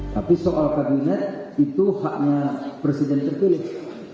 tapi soal kabinet itu haknya presiden terpilih